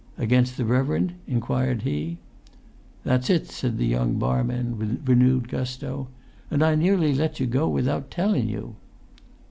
"Against the reverend?" inquired he. "That's it," said the young barman with renewed gusto. "And I nearly let you go without tellun you!"